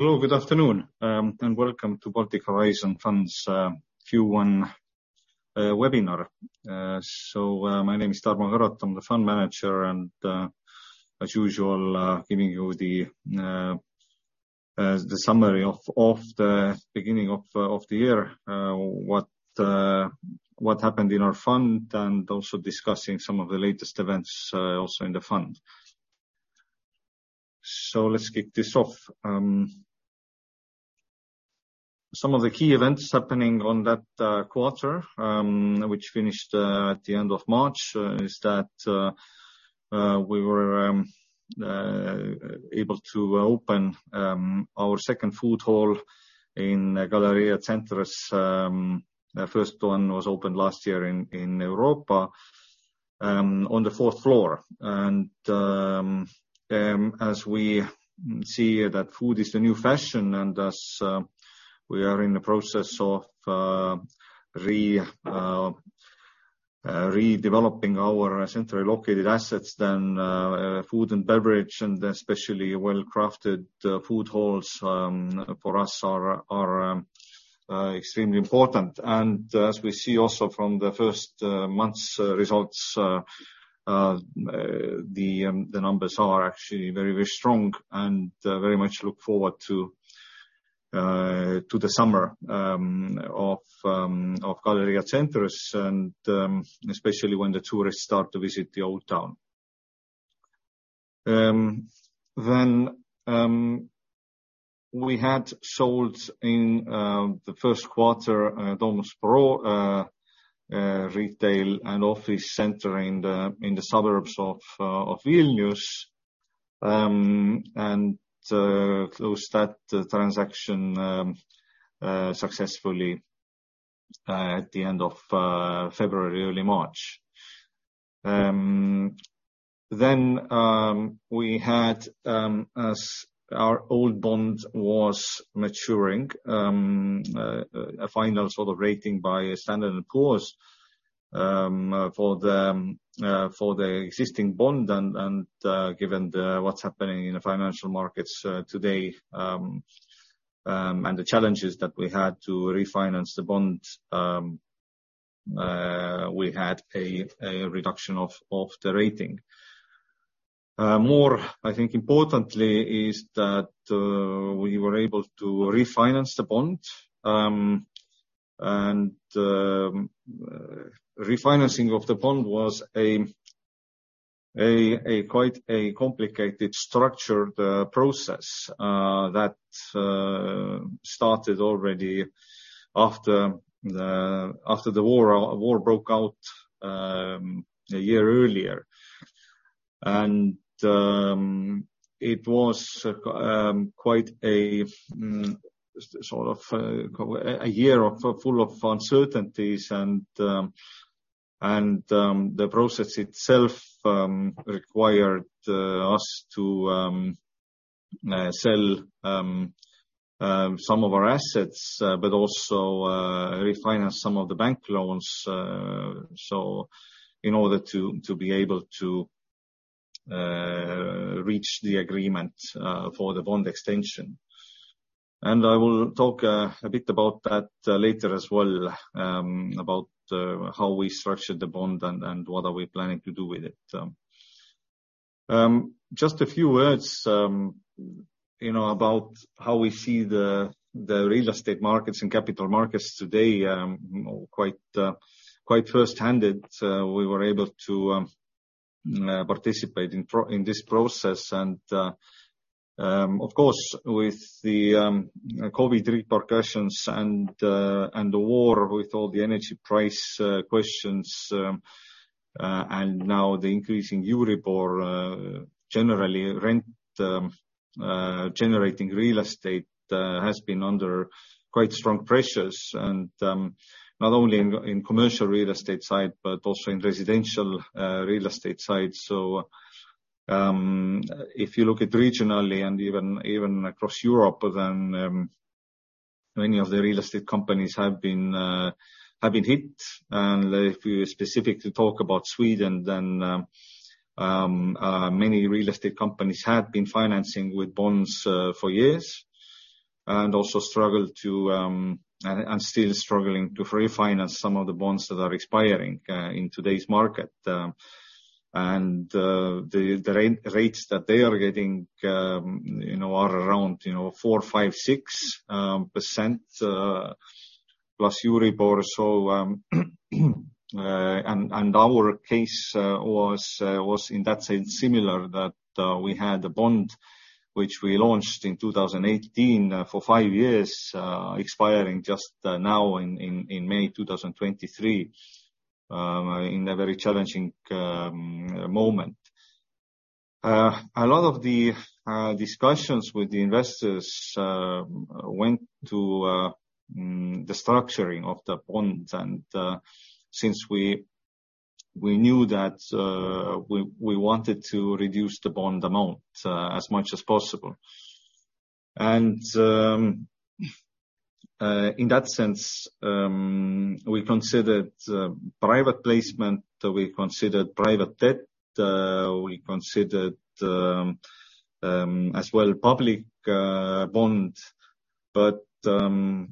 Hello, good afternoon, and welcome to Baltic Horizon Fund's Q1 webinar. My name is Tarmo Karotam. I'm the Fund Manager, and as usual, giving you the summary of the beginning of the year, what happened in our fund and also discussing some of the latest events also in the fund. Let's kick this off. Some of the key events happening on that quarter, which finished at the end of March, is that we were able to open our second food hall in Galerija Centrs. The first one was opened last year in Europa on the fourth floor. As we see that food is the new fashion and as we are in the process of redeveloping our Centras located assets, food and beverage, and especially well-crafted food halls, for us are extremely important. As we see also from the first month's results, the numbers are actually very, very strong and very much look forward to the summer of Galerija Centrs and especially when the tourists start to visit the old town. We had sold in the first quarter Domus Pro retail and office center in the suburbs of Vilnius and closed that transaction successfully at the end of February, early March. we had as our old bond was maturing, a final sort of rating by Standard & Poor's for the existing bond and given what's happening in the financial markets today and the challenges that we had to refinance the bond, we had a reduction of the rating. More, I think, importantly is that we were able to refinance the bond, and refinancing of the bond was a quite complicated structured process that started already after the war broke out a year earlier. It was quite a sort of a year full of uncertainties, and the process itself required us to sell some of our assets, but also refinance some of the bank loans, so in order to be able to reach the agreement for the bond extension. I will talk a bit about that later as well, about how we structured the bond and what are we planning to do with it. Just a few words, you know, about how we see the real estate markets and capital markets today, quite quite firsthand as we were able to participate in this process. Of course, with the COVID repercussions and the war with all the energy price questions, and now the increase in EURIBOR, generally rent generating real estate has been under quite strong pressures, and not only in commercial real estate side, but also in residential real estate side. If you look at regionally and across Europe, then many of the real estate companies have been hit. If you specifically talk about Sweden, then many real estate companies had been financing with bonds for years and also struggled to and still struggling to refinance some of the bonds that are expiring in today's market. The rates that they are getting, you know, are around four, five, 6%, plus Euribor. Our case was in that sense similar that we had a bond which we launched in 2018 for five years, expiring just now in May 2023, in a very challenging moment. A lot of the discussions with the investors went to the structuring of the bond and since we knew that we wanted to reduce the bond amount as much as possible. In that sense, we considered private placement, we considered private debt, we considered as well public bond.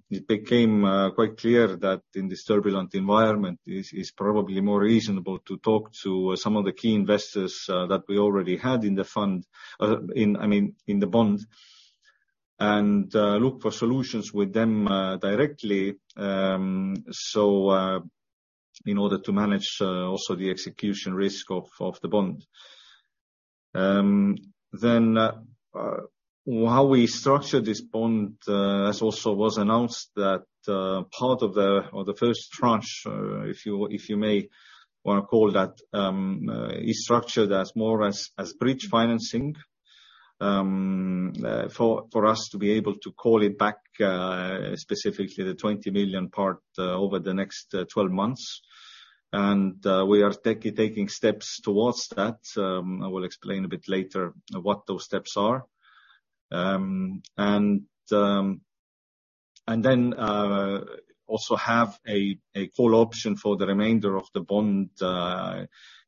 It became quite clear that in this turbulent environment is probably more reasonable to talk to some of the key investors that we already had in the fund, I mean, in the bond, and look for solutions with them directly, so in order to manage also the execution risk of the bond. How we structured this bond, as also was announced that part of the, or the first tranche, if you may wanna call that, is structured as more as bridge financing for us to be able to call it back, specifically the 20 million part, over the next 12 months. We are taking steps towards that. I will explain a bit later what those steps are. Also have a call option for the remainder of the bond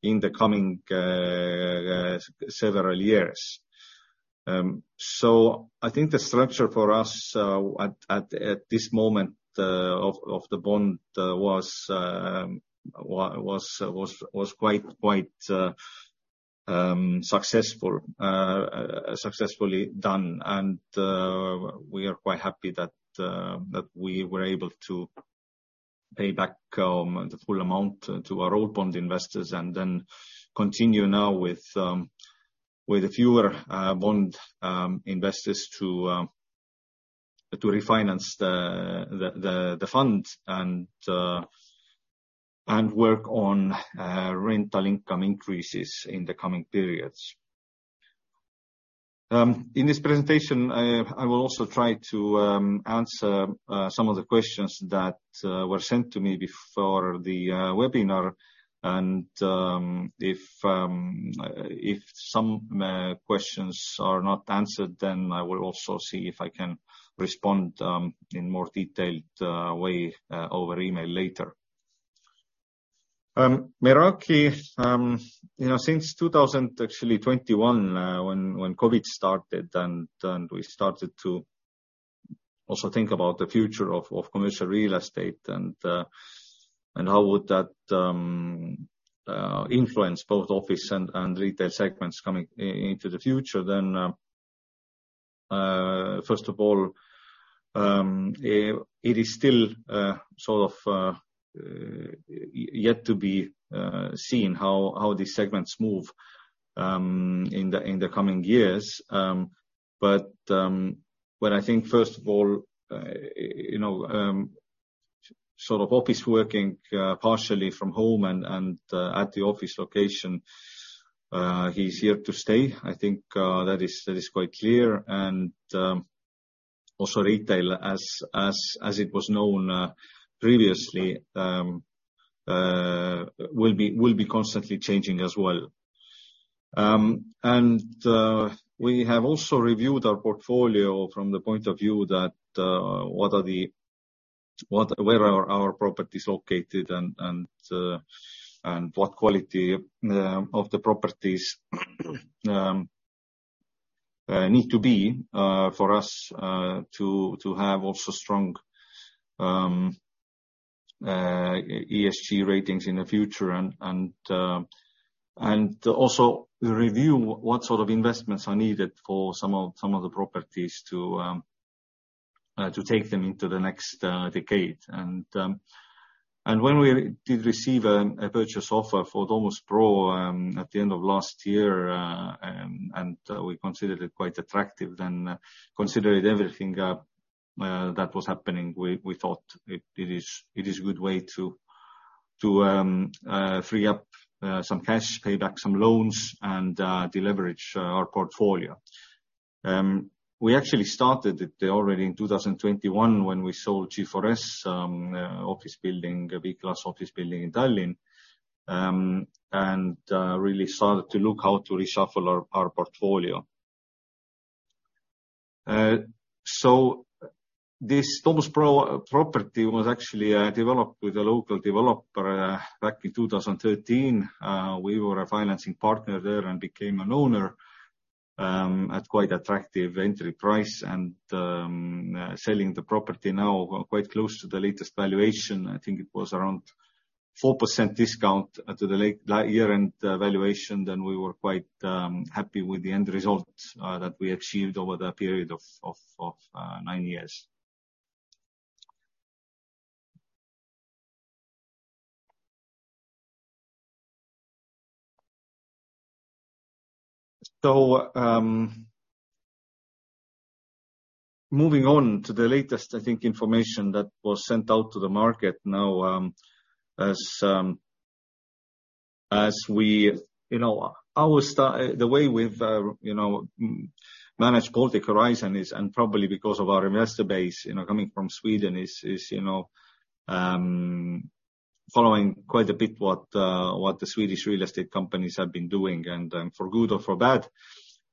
in the coming several years. I think the structure for us at this moment of the bond was quite successful, successfully done. We are quite happy that we were able to pay back the full amount to our old bond investors and then continue now with fewer bond investors to refinance the fund and work on rental income increases in the coming periods. In this presentation, I will also try to answer some of the questions that were sent to me before the webinar. If questions are not answered, then I will also see if I can respond in more detailed way over email later. Meraki, you know, since 2021, when COVID started and we started to also think about the future of commercial real estate and how would that influence both office and retail segments coming into the future, then first of all, it is still sort of yet to be seen how these segments move in the coming years. What I think first of all, you know, sort of office working partially from home and at the office location is here to stay. I think that is quite clear. Also retail as it was known previously will be constantly changing as well. We have also reviewed our portfolio from the point of view that where are our properties located and what quality of the properties need to be for us to have also strong ESG ratings in the future. Also review what sort of investments are needed for some of the properties to take them into the next decade. When we did receive a purchase offer for Domus Pro at the end of last year, and we considered it quite attractive and considered everything that was happening, we thought it is good way to free up some cash, pay back some loans, and deleverage our portfolio. We actually started it already in 2021 when we sold G4S office building, a B class office building in Tallinn, and really started to look how to reshuffle our portfolio. This Domus Pro property was actually developed with a local developer back in 2013. We were a financing partner there and became an owner at quite attractive entry price. Selling the property now quite close to the latest valuation, I think it was around 4% discount to the year-end valuation, we were quite happy with the end result that we achieved over the period of nine years. Moving on to the latest, I think, information that was sent out to the market now, as we, you know, our style. The way we've, you know, manage Baltic Horizon is, and probably because of our investor base, you know, coming from Sweden is, you know, following quite a bit what the Swedish real estate companies have been doing, and for good or for bad.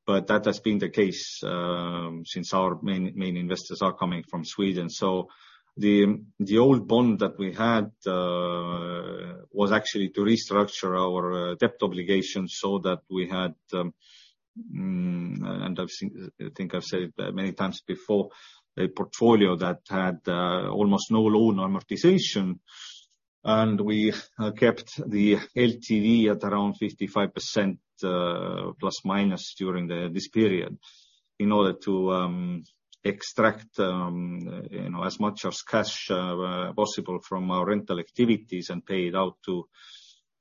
That has been the case since our main investors are coming from Sweden. The, the old bond that we had, was actually to restructure our debt obligations so that we had, and I've seen I think I've said it many times before, a portfolio that had almost no loan amortization. We kept the LTV at around 55%, plus minus during this period in order to extract, you know, as much of cash possible from our rental activities and pay it out to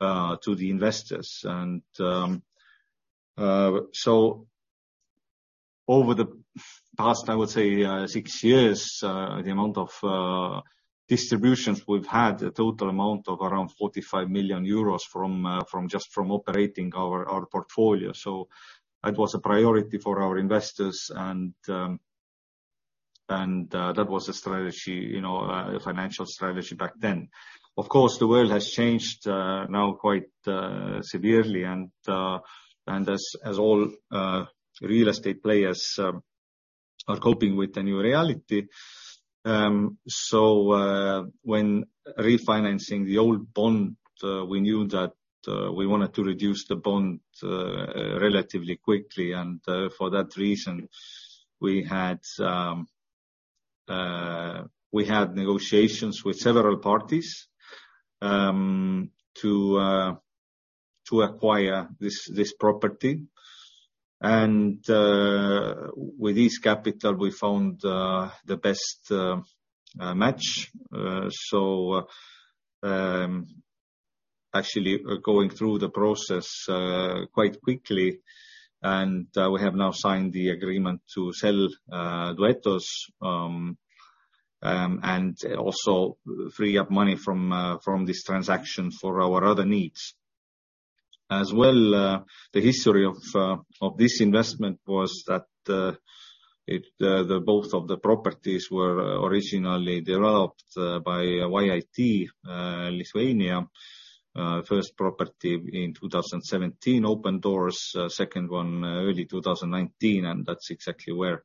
the investors. Over the past, I would say, six years, the amount of distributions we've had a total amount of around 45 million euros from, just from operating our portfolio. It was a priority for our investors and, that was a strategy, you know, a financial strategy back then. Of course, the world has changed, now quite severely and as all real estate players are coping with new reality. When refinancing the old bond, we knew that we wanted to reduce the bond relatively quickly and for that reason, we had negotiations with several parties to acquire this property. With East Capital, we found the best match. Actually going through the process quite quickly and we have now signed the agreement to sell Duetos and also free up money from this transaction for our other needs. The history of this investment was that it the both of the properties were originally developed by YIT Lietuva. First property in 2017 opened doors, second one early 2019, and that's exactly where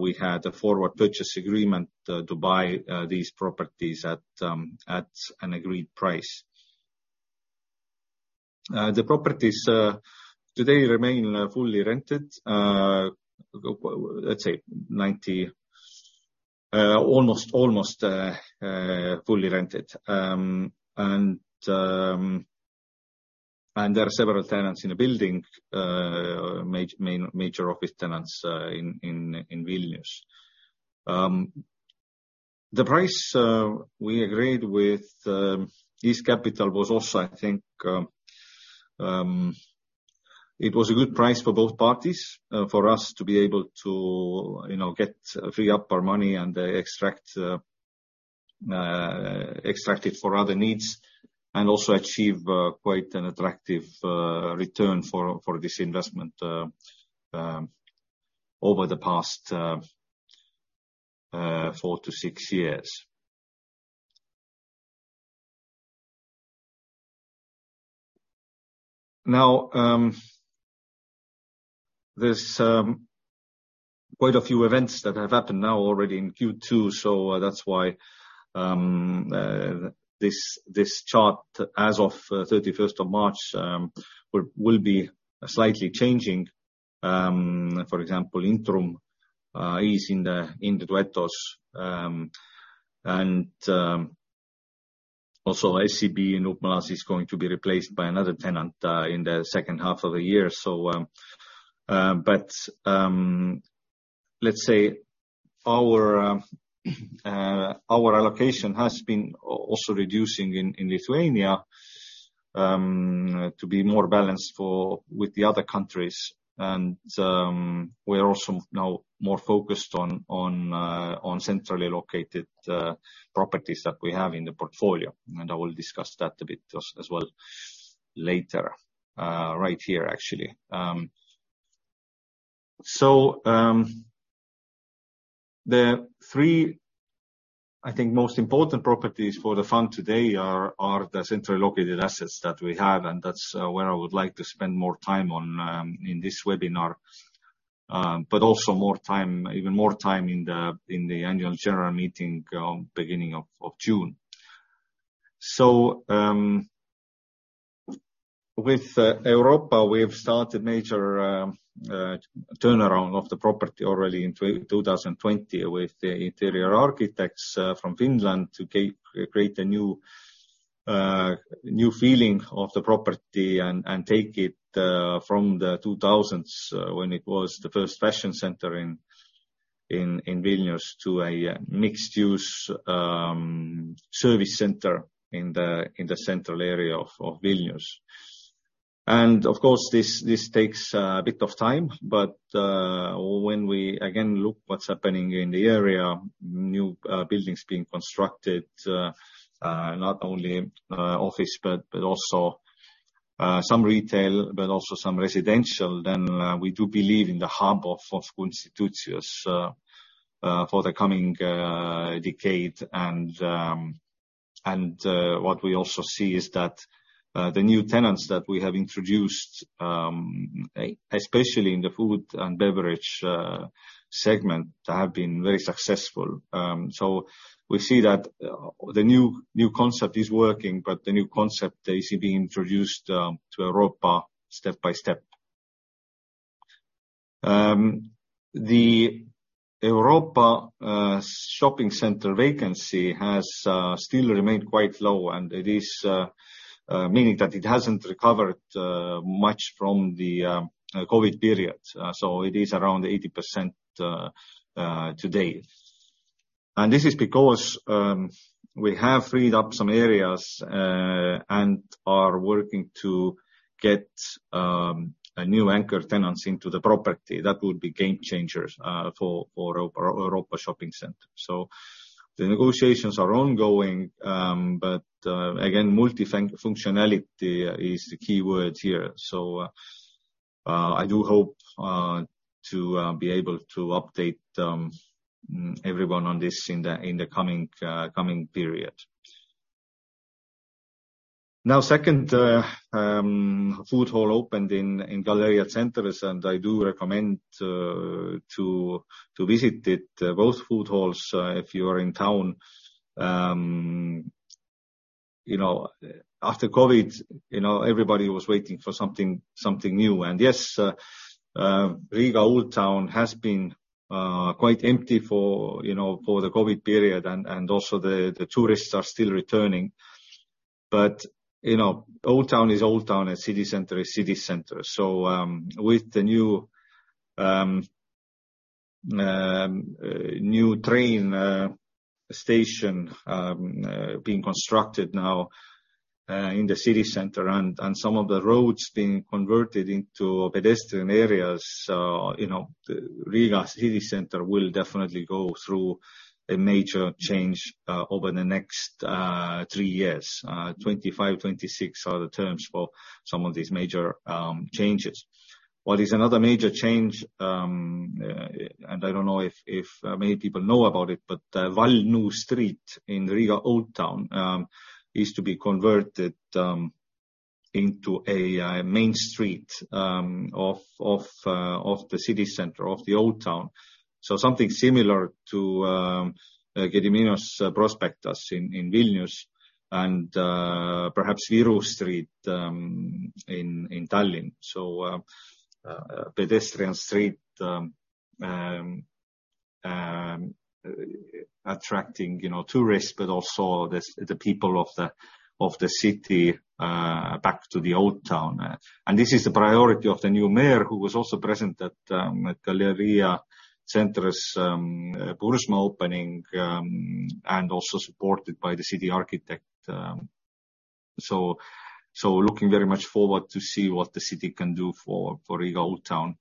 we had a forward purchase agreement to buy these properties at an agreed price. The properties today remain fully rented, let's say 90% almost fully rented. There are several tenants in the building, major office tenants in Vilnius. The price we agreed with East Capital was also, I think, it was a good price for both parties, for us to be able to, you know, get, free up our money and extract it for other needs and also achieve quite an attractive return for this investment over the past four-six years. There's quite a few events that have happened now already in Q2, so that's why this chart as of 31st of March will be slightly changing. For example, Intrum is in the Duetos, and also SCB in Ukmergė is going to be replaced by another tenant in the second half of the year. Let's say our allocation has been also reducing in Lithuania to be more balanced for with the other countries. We're also now more focused on centrally located properties that we have in the portfolio, and I will discuss that a bit as well later right here actually. The three, I think, most important properties for the fund today are the centrally located assets that we have, and that's where I would like to spend more time on in this webinar. Also more time, even more time in the annual general meeting beginning of June. We've started major turnaround of the property already in 2020 with the interior architects from Finland to create a new feeling of the property and take it from the 2000s when it was the first fashion center in Vilnius to a mixed-use service center in the central area of Vilnius. Of course, this takes a bit of time, but when we again look what's happening in the area, new buildings being constructed, not only office, but also some retail, but also some residential, then we do believe in the hub of institutions for the coming decade. What we also see is that the new tenants that we have introduced, especially in the food and beverage segment, have been very successful. We see that the new concept is working, but the new concept is being introduced to Europa step by step. The Europa shopping center vacancy has still remained quite low, and it is meaning that it hasn't recovered much from the COVID period. It is around 80% today. This is because we have freed up some areas and are working to get a new anchor tenants into the property. That would be game-changers for Europa Shopping Center. The negotiations are ongoing, but again, multi-functionality is the key word here. I do hope to be able to update everyone on this in the coming period. Now, second food hall opened in Galerija Centrs, and I do recommend to visit it, both food halls, if you are in town. You know, after COVID, you know, everybody was waiting for something new. Yes, Riga Old Town has been quite empty for, you know, for the COVID period and also the tourists are still returning. You know, Old Town is Old Town and city center is city center. With the new new train station being constructed now in the city center and some of the roads being converted into pedestrian areas. You know, Riga City Center will definitely go through a major change over the next three years. 25, 26 are the terms for some of these major changes. What is another major change, and I don't know if many people know about it, but Vaļņu Street in Riga Old Town is to be converted into a main street of the city center, of the Old Town. something similar to Gedimino prospektas in Vilnius and perhaps Viru Street in Tallinn. Pedestrian Street attracting, you know, tourists, but also the people of the city back to the Old Town. This is the priority of the new mayor who was also present at Galerija Centrs, BURZMA opening, and also supported by the city architect. So looking very much forward to see what the city can do for Riga Old Town.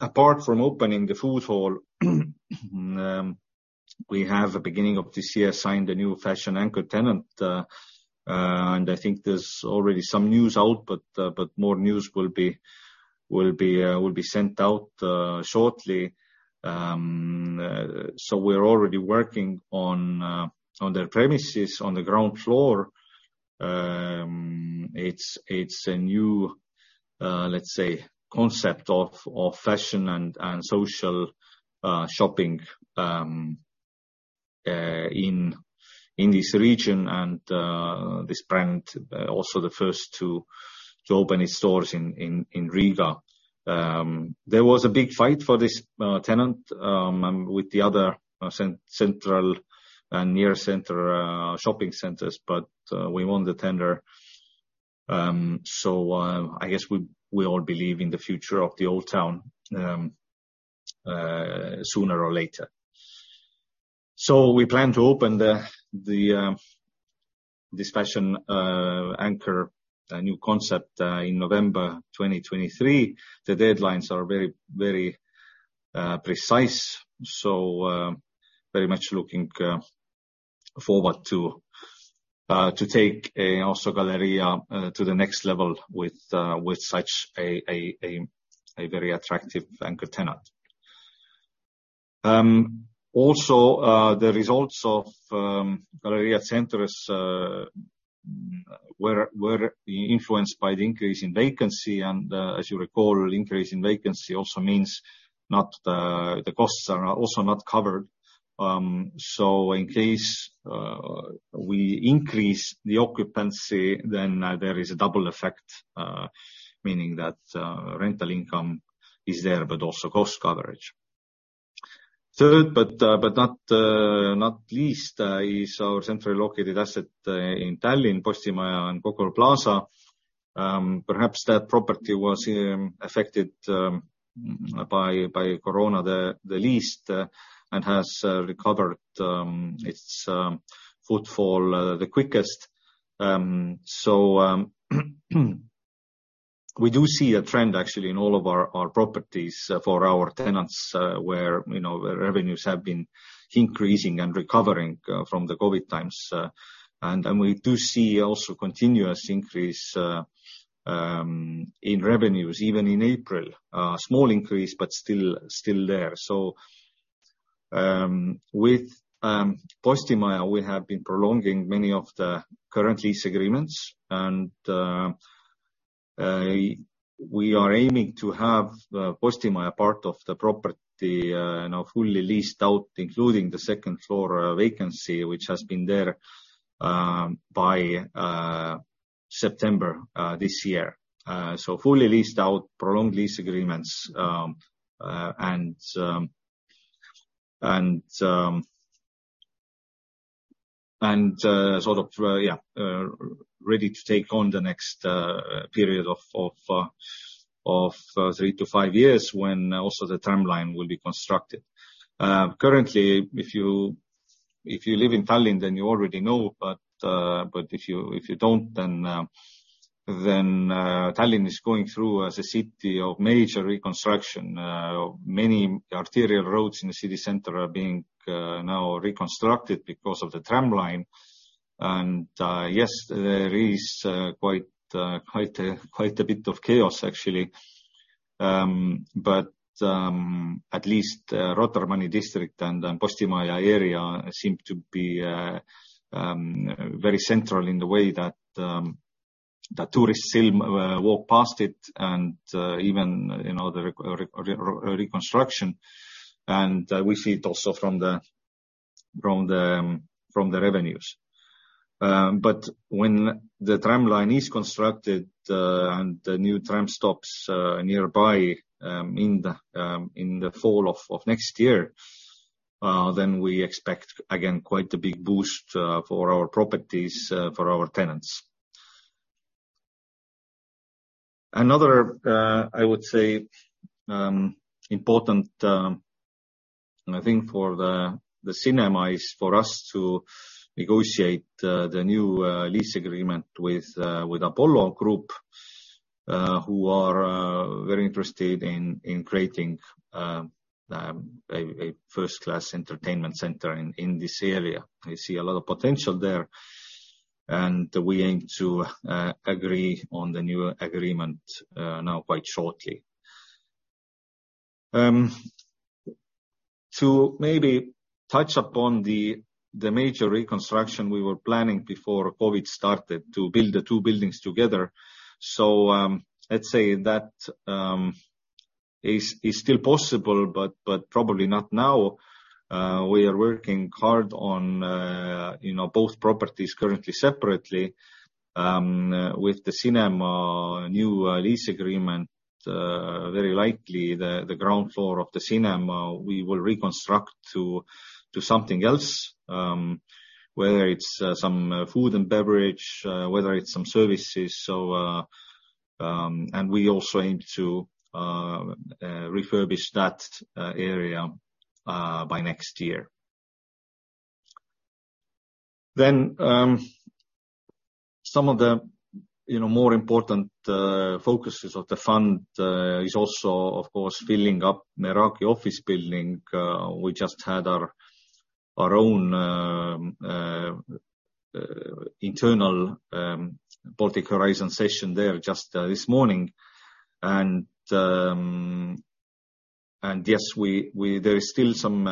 Apart from opening the food hall, we have at beginning of this year signed a new fashion anchor tenant, and I think there's already some news out, but more news will be sent out shortly. So we're already working on their premises on the ground floor. It's a new, let's say, concept of fashion and social shopping in this region. This brand, also the first to open its stores in, in Riga. There was a big fight for this tenant with the other central and near center shopping centers, but we won the tender. I guess we all believe in the future of the Old Town sooner or later. We plan to open the this fashion anchor new concept in November 2023. The deadlines are very, very precise, so very much looking forward to take also Galerija to the next level with such a very attractive anchor tenant. The results of Galerija Centrs were influenced by the increase in vacancy. As you recall, increase in vacancy also means not the costs are also not covered. In case we increase the occupancy, there is a double effect, meaning that rental income is there, but also cost coverage. But not least is our centrally located asset in Tallinn, Postimaja and Coca-Cola Plaza. Perhaps that property was affected by COVID the least and has recovered its footfall the quickest. We do see a trend actually in all of our properties for our tenants, where, you know, the revenues have been increasing and recovering from the COVID times. We do see also continuous increase in revenues even in April. Small increase, but still there. With Postimaja, we have been prolonging many of the current lease agreements, and we are aiming to have the Postimaja part of the property, you know, fully leased out, including the second floor vacancy, which has been there, by September this year. Fully leased out prolonged lease agreements, and sort of, yeah, ready to take on the next period of three-five years when also the tramline will be constructed. Currently, if you, if you live in Tallinn, then you already know, but if you, if you don't, then Tallinn is going through as a city of major reconstruction. Many arterial roads in the city center are being now reconstructed because of the tramline. Yes, there is quite a bit of chaos, actually. At least Rotermann District and the Postimaja area seem to be very central in the way that the tourists still walk past it and even, you know, the reconstruction. We see it also from the revenues. When the tramline is constructed and the new tram stops nearby in the fall of next year, then we expect again, quite a big boost for our properties, for our tenants. Another, I would say, important, I think for the cinema is for us to negotiate the new lease agreement with Apollo Group, who are very interested in creating a first-class entertainment center in this area. They see a lot of potential there. We aim to agree on the new agreement now quite shortly. To maybe touch upon the major reconstruction we were planning before COVID started to build the two buildings together. Let's say that is still possible, but probably not now. We are working hard on, you know, both properties currently separately. With the cinema new lease agreement, very likely the ground floor of the cinema, we will reconstruct to something else, whether it's some food and beverage, whether it's some services. And we also aim to refurbish that area by next year. Some of the, you know, more important focuses of the fund is also, of course, filling up Meraki office building. We just had our own internal Baltic Horizon session there just this morning. And yes, we there is still some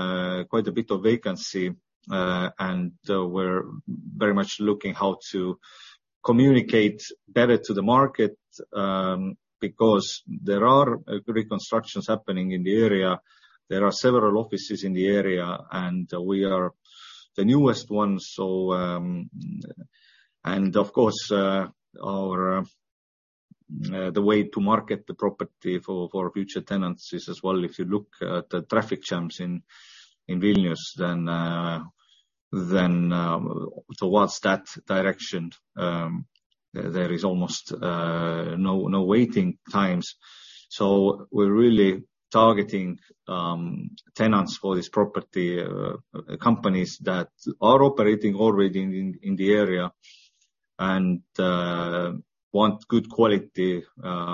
quite a bit of vacancy, and we're very much looking how to communicate better to the market because there are reconstructions happening in the area. There are several offices in the area, we are the newest ones. Of course, our the way to market the property for future tenants is as well, if you look at the traffic jams in Vilnius, then towards that direction, there is almost no waiting times. We're really targeting tenants for this property, companies that are operating already in the area and want good quality,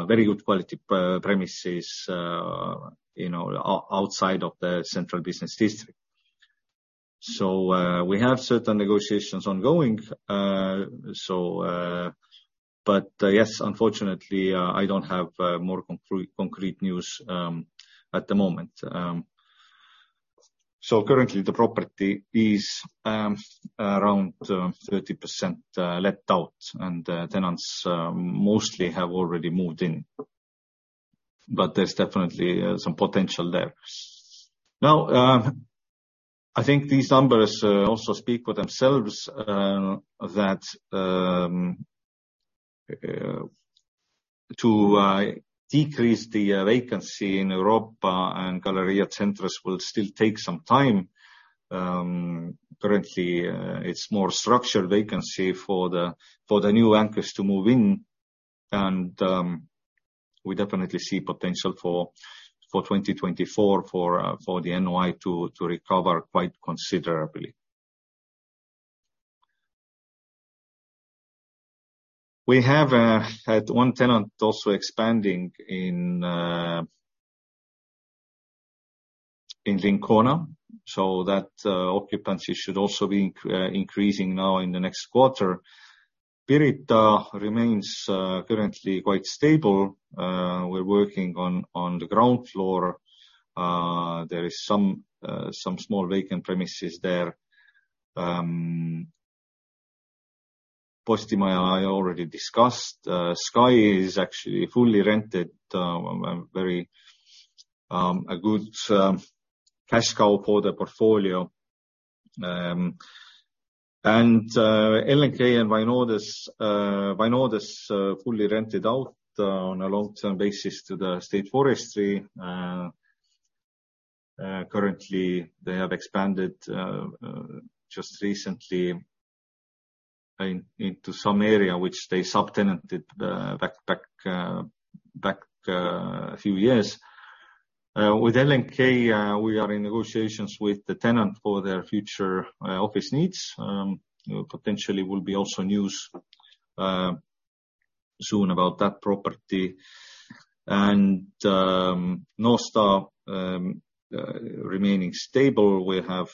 very good quality pre-premises, you know, outside of the central business district. We have certain negotiations ongoing. So, but, yes, unfortunately, I don't have more concrete news at the moment. So currently the property is around 30% let out, and the tenants mostly have already moved in. There's definitely some potential there. Now, I think these numbers also speak for themselves, that to decrease the vacancy in Europa and Galerija Centrs will still take some time. Currently, it's more structured vacancy for the new anchors to move in. We definitely see potential for 2024 for the NOI to recover quite considerably. We have had one tenant also expanding in Lincona, so that occupancy should also be increasing now in the next quarter. Pirita remains currently quite stable. We're working on the ground floor. There is some small vacant premises there. Postimaja I already discussed. Sky is actually fully rented, a very good cash cow for the portfolio. LNK and Vainodes fully rented out on a long-term basis to the state forestry. Currently, they have expanded just recently into some area which they subtenanted back few years. With LNK, we are in negotiations with the tenant for their future office needs. Potentially will be also news soon about that property. North Star remaining stable. We have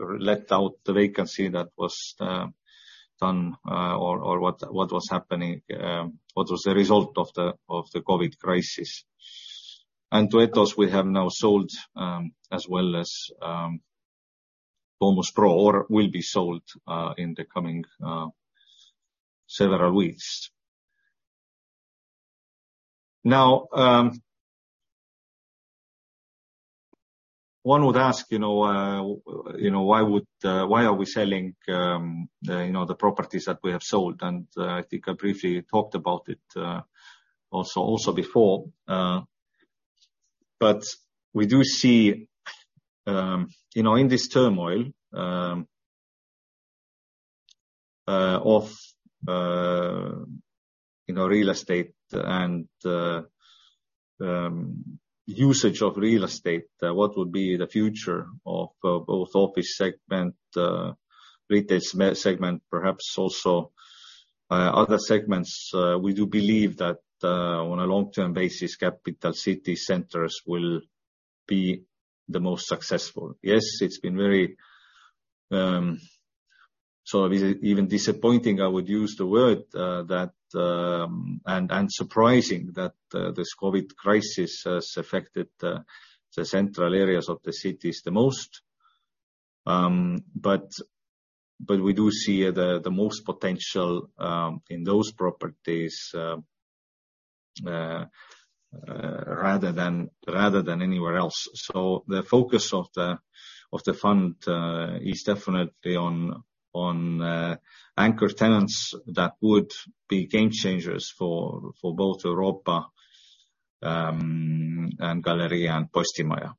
let out the vacancy that was done or what was happening what was the result of the COVID crisis. Duetto, we have now sold, as well as Domus Pro, or will be sold in the coming several weeks. Now, one would ask, you know, you know, why would, why are we selling, the, you know, the properties that we have sold? I think I briefly talked about it, also before. We do see, you know, in this turmoil, of, you know, real estate and, usage of real estate, what would be the future of, both office segment, retail segment, perhaps also, other segments, we do believe that, on a long-term basis, capital city centers will be the most successful. Yes, it's been very, sort of even disappointing, I would use the word, that, and surprising that, this COVID crisis has affected, the central areas of the cities the most. We do see the most potential in those properties rather than anywhere else. The focus of the fund is definitely on anchor tenants that would be game changers for both Europa and Galleria and Postimaja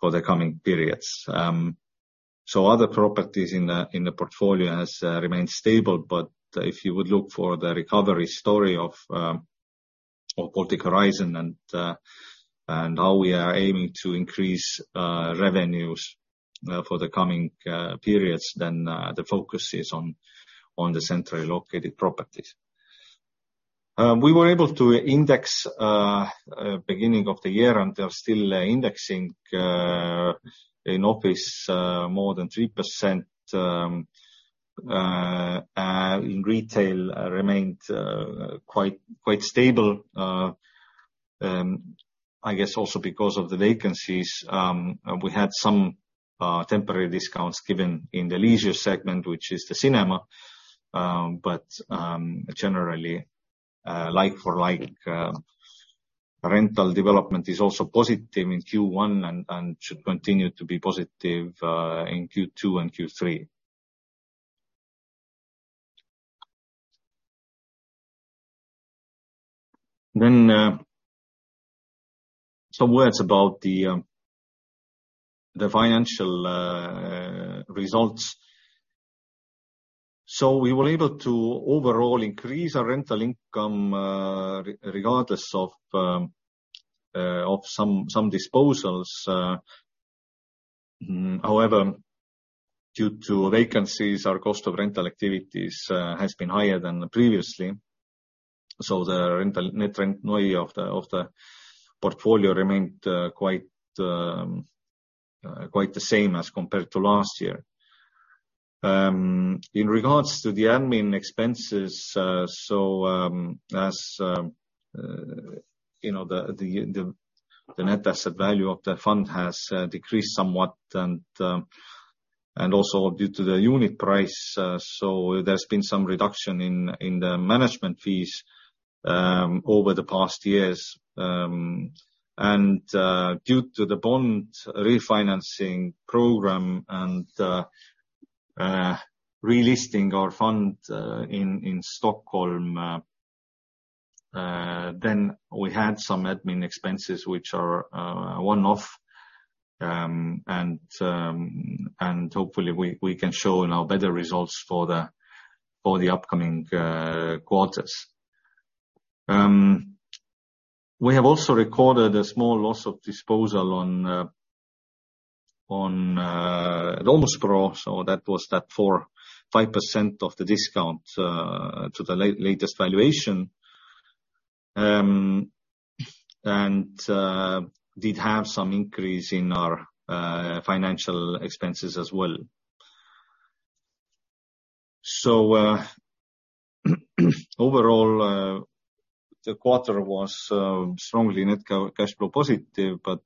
for the coming periods. Other properties in the portfolio has remained stable. If you would look for the recovery story of Baltic Horizon and how we are aiming to increase revenues for the coming periods, the focus is on the centrally located properties. We were able to index beginning of the year, and we are still indexing in office more than 3%, in retail remained quite stable. I guess also because of the vacancies, we had some temporary discounts given in the leisure segment, which is the cinema. Generally, like for like, rental development is also positive in Q1 and should continue to be positive in Q2 and Q3. Some words about the financial results. We were able to overall increase our rental income, regardless of some disposals. However, due to vacancies, our cost of rental activities has been higher than previously. The rental, net rent NOI of the portfolio remained quite the same as compared to last year. admin expenses, as you know, the net asset value of the fund has decreased somewhat and also due to the unit price, there's been some reduction in the management fees over the past years. Due to the bond refinancing program and relisting our fund in Stockholm, then we had some admin expenses, which are one-off. Hopefully, we can show now better results for the upcoming quarters. We have also recorded a small loss of disposal on at Domus Pro. That was that 4-5% of the discount to the latest valuation. We did have some increase in our financial expenses as well. Overall, the quarter was strongly net cash flow positive, but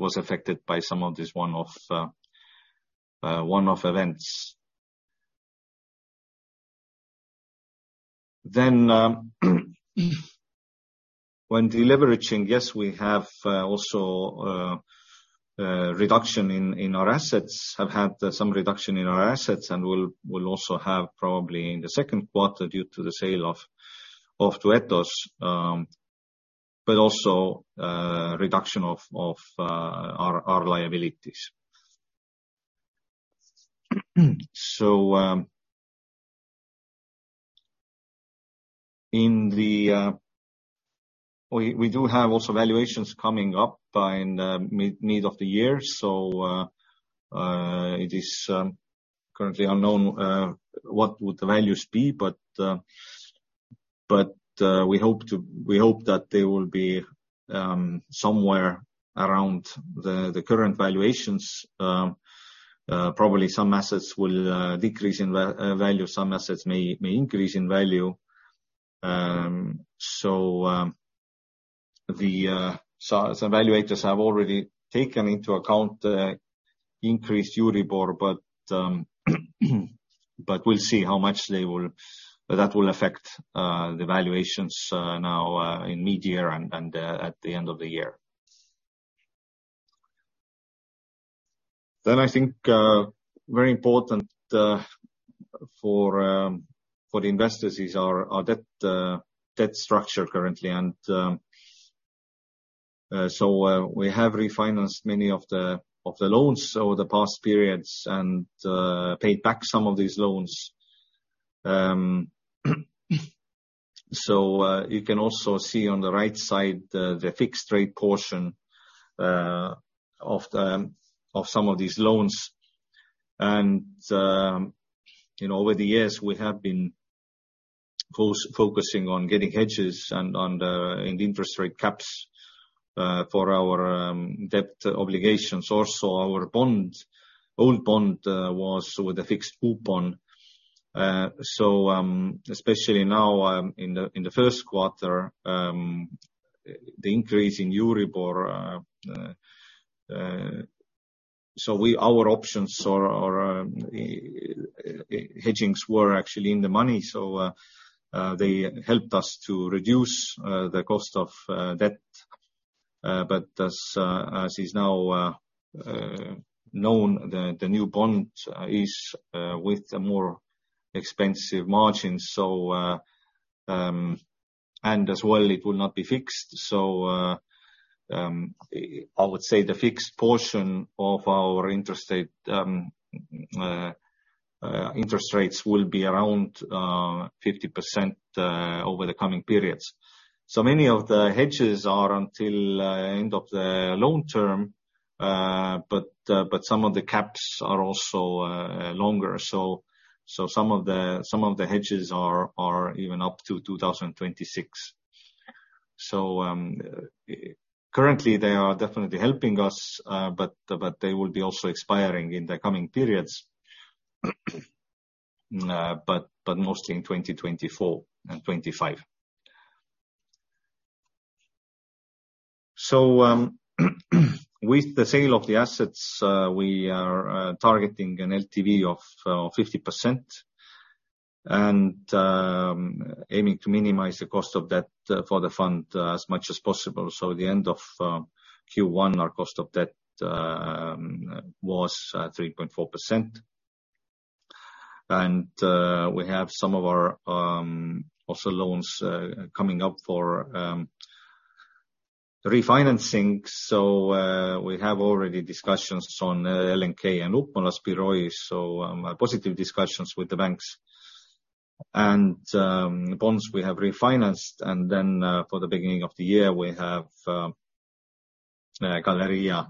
was affected by some of this one-off events. When deleveraging, yes, we have also a reduction in our assets. Have had some reduction in our assets and we'll also have probably in the second quarter due to the sale of Duetto, but also reduction of our liabilities. We do have also valuations coming up by in mid of the year. It is currently unknown what would the values be, but we hope that they will be somewhere around the current valuations. Probably some assets will decrease in value, some assets may increase in value. As evaluators have already taken into account the increased Euribor, but we'll see how much that will affect the valuations now in mid-year and at the end of the year. I think very important for the investors is our debt structure currently. We have refinanced many of the loans over the past periods and paid back some of these loans. You can also see on the right side, the fixed rate portion of some of these loans. You know, over the years, we have been focusing on getting hedges and in interest rate caps for our debt obligations. Also our bond, old bond, was with a fixed coupon. Especially now, in the first quarter, the increase in Euribor, so our options or hedgings were actually in the money. They helped us to reduce the cost of debt. As is now known, the new bond is with more expensive margins. And as well, it will not be fixed. I would say the fixed portion of our interest rates will be around 50% over the coming periods. Many of the hedges are until end of the loan term, but some of the caps are also longer. Some of the hedges are even up to 2026. Currently, they are definitely helping us, but they will be also expiring in the coming periods. But mostly in 2024 and 2025. With the sale of the assets, we are targeting an LTV of 50% and aiming to minimize the cost of debt for the fund as much as possible. The end of Q1, our cost of debt was 3.4%. We have some of our also loans coming up for refinancing. We have already discussions on LNK and Upmalas Biroji. Positive discussions with the banks. Bonds we have refinanced, and then for the beginning of the year, we have Galerija Centrs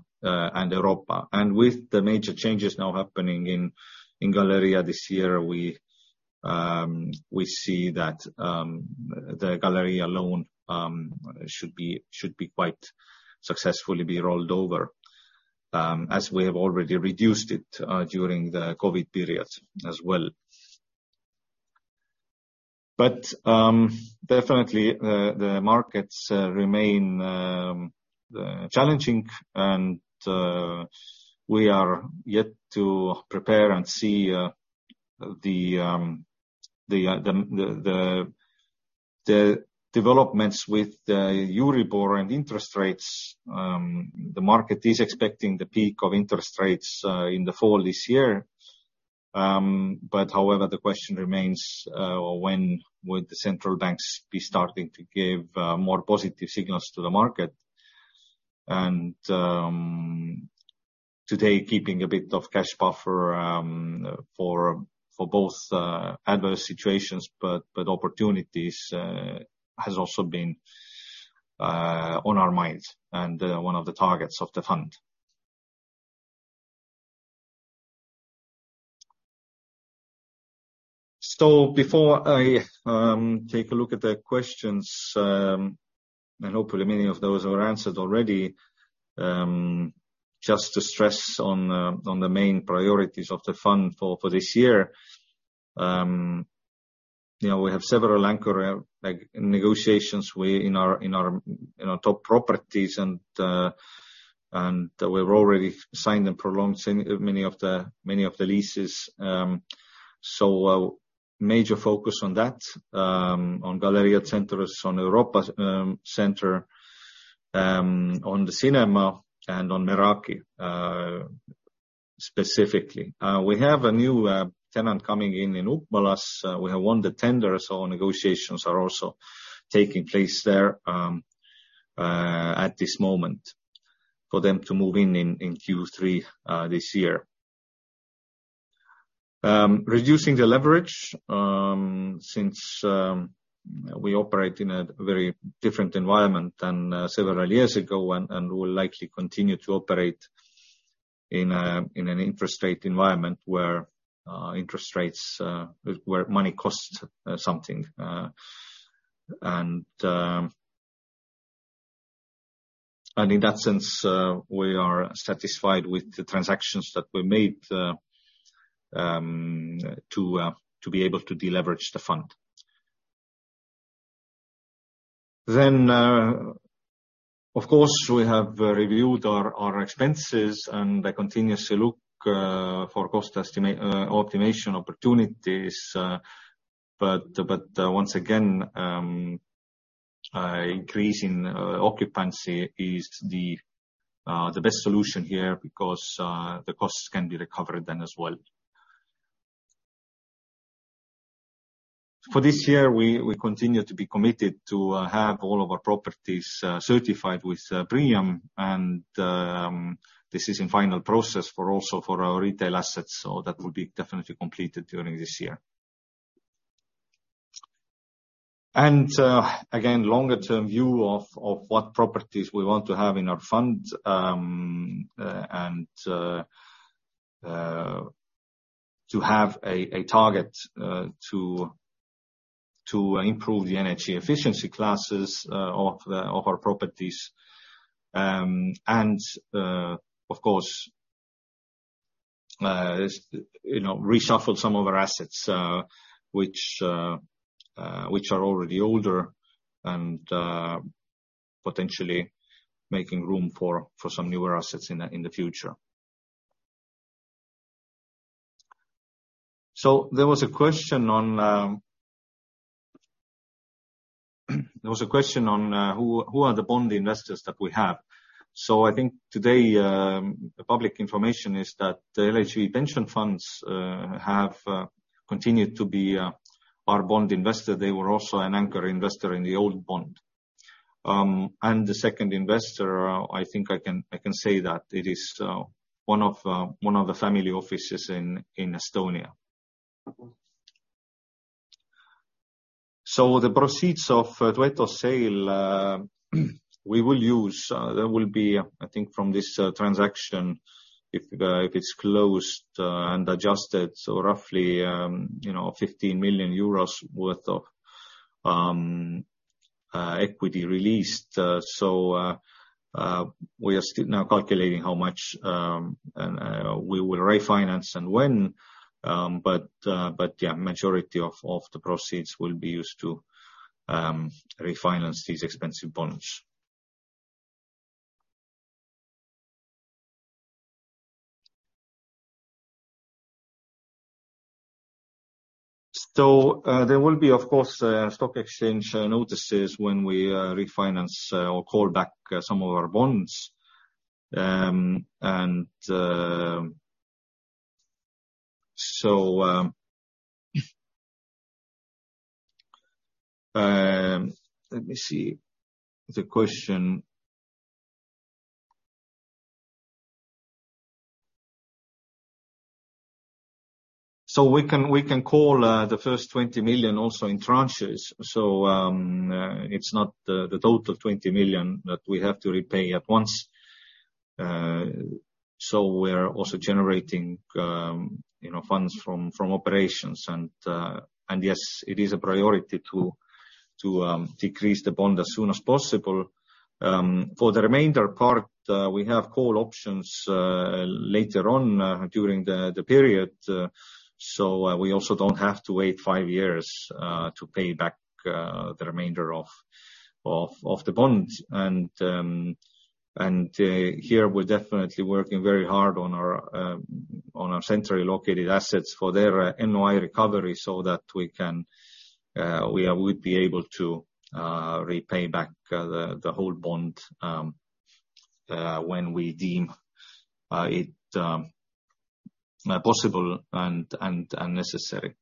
and Europa. With the major changes now happening in Galerija Centrs this year, we see that the Galerija Centrs loan should be quite successfully be rolled over, as we have already reduced it during the COVID period as well. Definitely the markets remain challenging, and we are yet to prepare and see the developments with the Euribor and interest rates. The market is expecting the peak of interest rates in the fall this year. However, the question remains, when would the central banks be starting to give more positive signals to the market? Today keeping a bit of cash buffer for both adverse situations, but opportunities has also been on our minds and one of the targets of the fund. Before I take a look at the questions, and hopefully many of those were answered already, just to stress on the main priorities of the fund for this year. You know, we have several anchor like negotiations with in our top properties and we've already signed and prolonged many of the leases. A major focus on that, on Galerija Centrs, on Europa center, on the cinema and on Meraki specifically. We have a new tenant coming in in Upmalas. We have won the tender. Negotiations are also taking place there at this moment for them to move in Q3 this year. Reducing the leverage, since we operate in a very different environment than several years ago when, and we'll likely continue to operate in an interest rate environment where interest rates, where money costs something. In that sense, we are satisfied with the transactions that were made to be able to deleverage the fund. Of course, we have reviewed our expenses, and I continuously look for cost optimization opportunities. Once again, increasing occupancy is the best solution here because the costs can be recovered then as well. For this year, we continue to be committed to have all of our properties certified with BREEAM and this is in final process for also for our retail assets. That will be definitely completed during this year. Again, longer-term view of what properties we want to have in our fund and to have a target to improve the energy efficiency classes of our properties. Of course, you know, reshuffle some of our assets which are already older and potentially making room for some newer assets in the future. There was a question on who are the bond investors that we have. I think today, public information is that the LHV pension funds have continued to be our bond investor. They were also an anchor investor in the old bond. The second investor, I think I can say that it is one of the family offices in Estonia. The proceeds of Duetto sale, we will use, there will be, I think from this transaction if it's closed and adjusted, roughly, you know, 15 million euros worth of equity released. We are still now calculating how much we will refinance and when, but yeah, majority of the proceeds will be used to refinance these expensive bonds. There will be of course, stock exchange notices when we refinance or call back some of our bonds. Let me see the question. We can call the first 20 million also in tranches. It's not the total 20 million that we have to repay at once. We're also generating, you know, funds from operations and yes, it is a priority to decrease the bond as soon as possible. For the remainder part, we have call options later on during the period. We also don't have to wait 5 years to pay back the remainder of the bond. Here we're definitely working very hard on our centrally located assets for their NOI recovery so that we'd be able to repay back the whole bond when we deem it possible and necessary.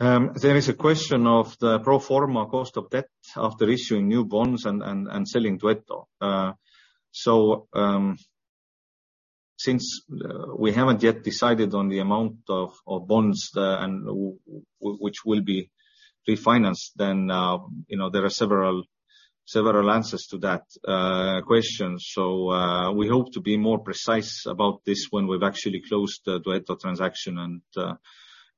There is a question of the pro forma cost of debt after issuing new bonds and selling Duetto. Since we haven't yet decided on the amount of bonds there and which will be refinanced, then, you know, there are several answers to that question. We hope to be more precise about this when we've actually closed the Duetto transaction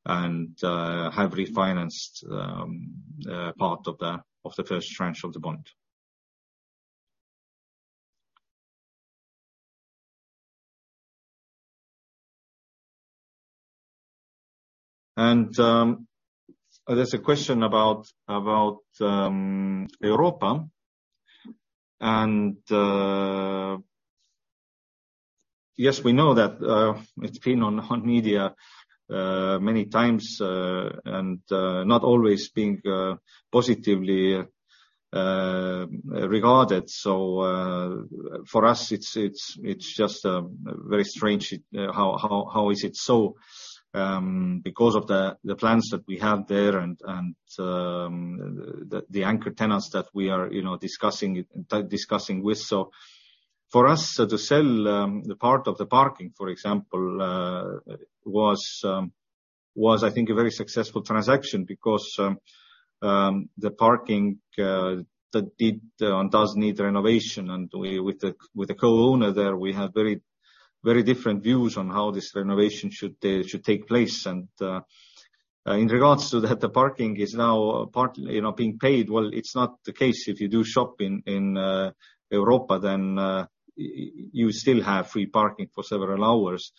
and have refinanced part of the first tranche of the bond. There's a question about Europa. Yes, we know that it's been on media many times and not always being positively regarded. For us, it's just very strange how is it so because of the plans that we have there and the anchor tenants that we are, you know, discussing with. For us to sell the part of the parking, for example, was I think a very successful transaction because the parking that did and does need renovation, and we with the co-owner there, we have very, very different views on how this renovation should take place. In regards to that, the parking is now part, you know, being paid. It's not the case. If you do shop in Europa, then, you still have free parking for several hours.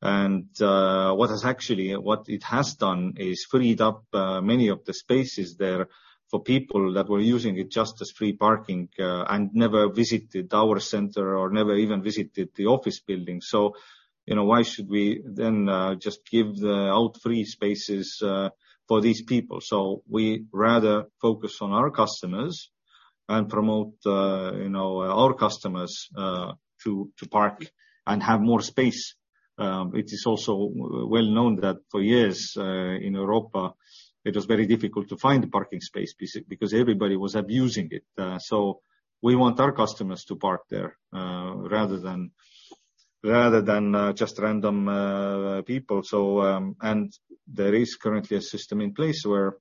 What it has done is freed up, many of the spaces there for people that were using it just as free parking, and never visited our center or never even visited the office building. You know, why should we then, just give the out free spaces, for these people? We rather focus on our customers and promote, you know, our customers, to park and have more space. It is also well known that for years, in Europa, it was very difficult to find parking space because everybody was abusing it. We want our customers to park there, rather than, just random people. There is currently a system in place where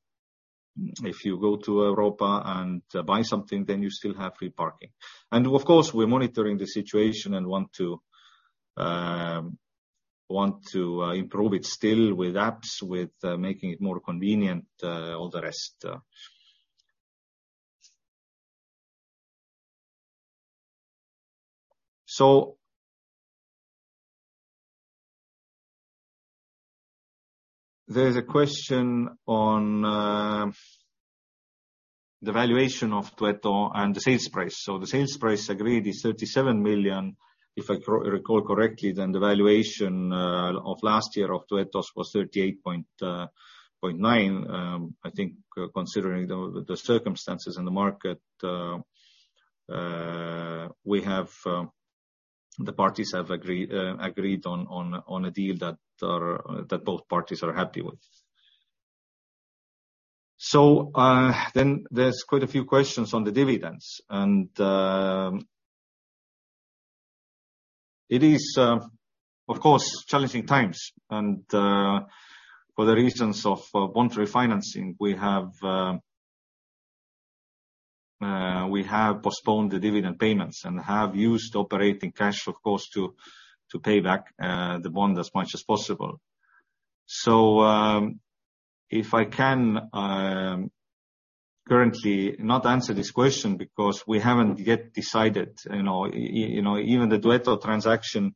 if you go to Europa and buy something, then you still have free parking. Of course, we're monitoring the situation and want to improve it still with apps, with making it more convenient, all the rest. There's a question on the valuation of Duetto and the sales price. The sales price agreed is 37 million. If I recall correctly, then the valuation of last year of Duetto was 38.9 million. I think considering the circumstances in the market, we have the parties have agreed on a deal that both parties are happy with. Then there's quite a few questions on the dividends and it is, of course, challenging times. For the reasons of bond refinancing, we have postponed the dividend payments and have used operating cash of course to pay back the bond as much as possible. If I can currently not answer this question because we haven't yet decided, you know, even the Duetto transaction,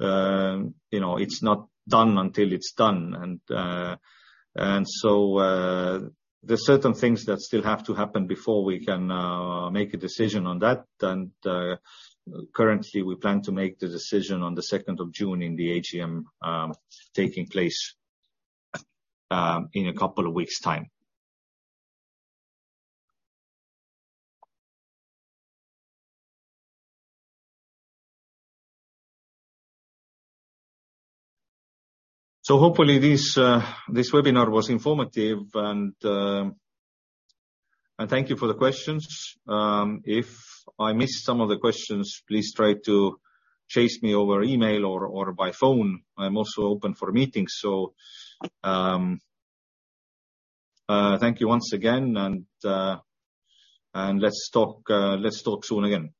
you know, it's not done until it's done. There's certain things that still have to happen before we can make a decision on that. Currently, we plan to make the decision on the second of June in the AGM, taking place in a couple of weeks' time. Hopefully this webinar was informative and thank you for the questions. If I missed some of the questions, please try to chase me over email or by phone. I'm also open for meetings. Thank you once again and let's talk soon again.